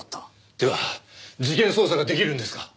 では事件捜査が出来るんですか？